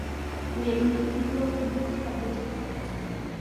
Уи ақыҭаҿы игылан ҩны ԥшӡа хәыҷык.